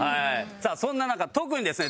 さあそんな中特にですね